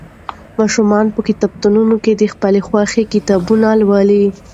ماشومان په کتابتونونو کې د خپلې خوښې کتابونه لولي.